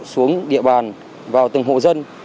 xuống địa bàn vào từng hộ dân